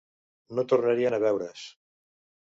No tornarien a veure's.